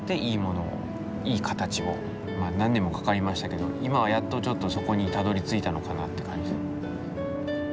何年もかかりましたけど今はやっとちょっとそこにたどりついたのかなって感じ。